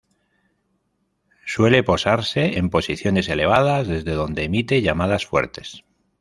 Suele posarse en posiciones elevadas, desde donde emite llamadas fuertes.